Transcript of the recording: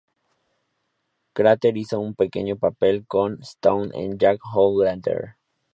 Crater hizo un pequeño papel con Stone en "Jack O'Lantern".